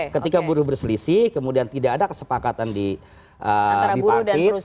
ketika buruh berselisih kemudian tidak ada kesepakatan di partit